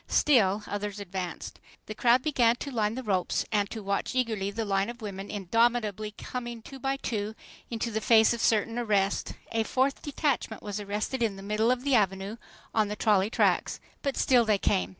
Still others advanced. The crowd began to line the ropes and to watch eagerly the line of women indomitably coming, two by two, into the face of certain arrest. A fourth detachment was arrested in the middle of the Avenue on the trolley tracks. But still they came.